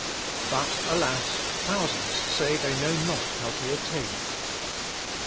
But alas, thousands say they know not how to obtain it.